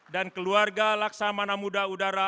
dan keluarga laksamana muda udara